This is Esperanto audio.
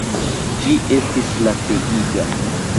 Ĝi estis lacegiga!